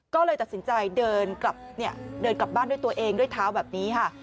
ก็เลยตัดสินใจเดินกลับบ้านด้วยตัวเองด้วยเท้าแบบนี้ค่ะ